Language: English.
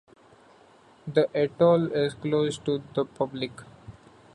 The atoll is closed to the public.